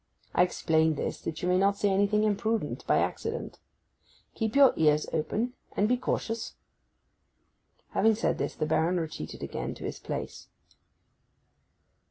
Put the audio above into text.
I explain this that you may not say anything imprudent by accident. Keep your ears open and be cautious.' Having said this the Baron retreated again to his place.